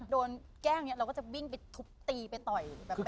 โดนแก้งเราก็จะวิ่งไปทุบตียังไง